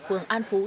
phường an phú thị xã